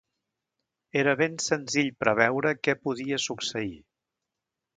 Era ben senzill preveure què podia succeir.